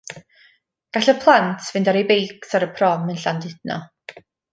Gall y plant fynd ar ei beics ar y prom yn Llandudno.